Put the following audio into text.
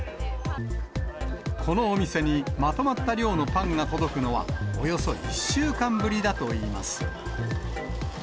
このお店にまとまった量のパンが届くのは、およそ１週間ぶりだといいます。